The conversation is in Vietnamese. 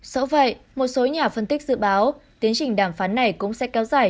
sỡ vậy một số nhà phân tích dự báo tiến trình đàm phán này cũng sẽ kéo dài